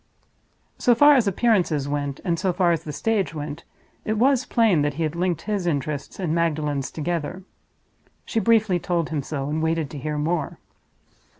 So far as appearances went, and so far as the stage went, it was plain that he had linked his interests and Magdalen's together. She briefly told him so, and waited to hear more.